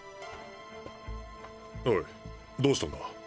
おいどうしたんだ。